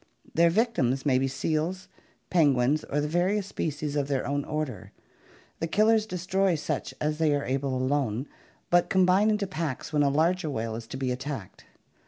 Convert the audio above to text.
Their victims may be seals, penguins, or the various species of their own order. The killers destroy such as they are able alone, but combine into packs when a larger whale is to be attacked.